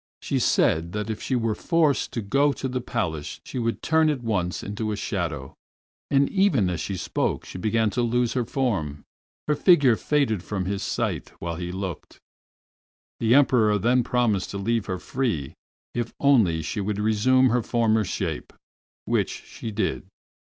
She said that if she were forced to go to the Palace she would turn at once into a shadow, and even as she spoke she began to lose her form. Her figure faded from his sight while he looked. The Emperor then promised to leave her free if only she would resume her former shape, which she did.